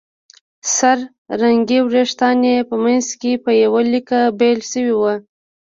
سره رنګي وېښتان یې په منځ کې په يوه ليکه بېل شوي وو